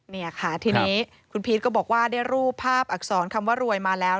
นี่ค่ะทีนี้คุณพีชก็บอกว่าได้รูปภาพอักษรคำว่ารวยมาแล้ว